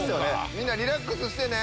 みんなリラックスしてね。